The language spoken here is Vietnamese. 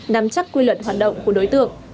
nắm chắc quy luật hoạt động của đối tượng